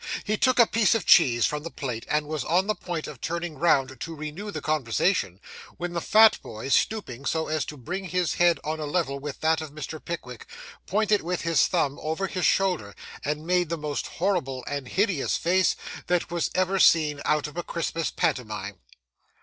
He took a piece of cheese from the plate, and was on the point of turning round to renew the conversation, when the fat boy, stooping so as to bring his head on a level with that of Mr. Pickwick, pointed with his thumb over his shoulder, and made the most horrible and hideous face that was ever seen out of a Christmas pantomime.